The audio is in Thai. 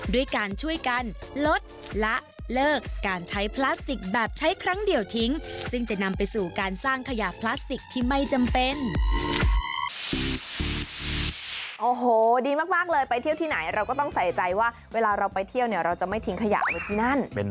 ด้วยการช่วยกันลดละเลิกการใช้พลาสติกแบบใช้ครั้งเดียวทิ้งซึ่งจะนำไปสู่การสร้างขยะพลาสติกที่ไม่จำเป็น